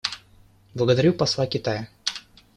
Благодарю посла Китая.